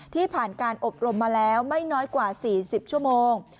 ที่ผ่านการอบรมมาแล้วไม่น้อยกว่า๔๐ชั่วโมง